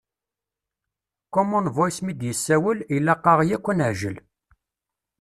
Common Voice mi d-yessawel, ilaq-aɣ yakk ad neɛǧel.